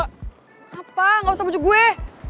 kenapa gak usah baju gue